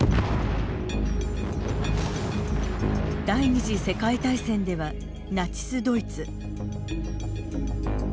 第２次世界大戦ではナチス・ドイツ。